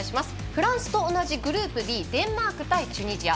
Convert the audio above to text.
フランスと同じグループＤデンマーク対チュニジア。